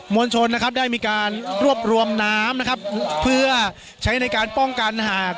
วลชนนะครับได้มีการรวบรวมน้ำนะครับเพื่อใช้ในการป้องกันหาก